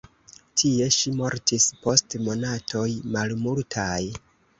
Tie ŝi mortis post monatoj malmultaj.